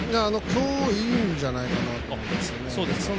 今日いいんじゃないかなと思うんですよね。